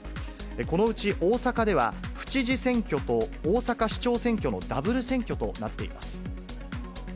このうち大阪では、府知事選挙と大阪市長選挙のダブル選挙となっています。